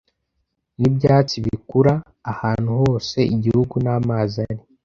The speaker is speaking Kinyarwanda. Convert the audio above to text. Nibyatsi bikura ahantu hose igihugu n'amazi ari,